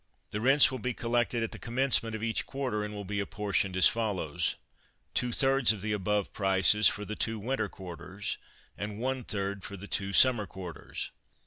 The Rents will be collected at the commencement of each Quarter, and will be apportioned as follows: Two thirds of the above prices for the two winter quarters, and One third for the two summer quarters.